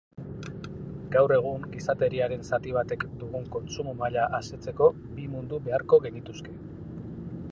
Gaur egun gizateriaren zati batek dugun kontsumo maila asetzeko bi mundu beharko genituzke.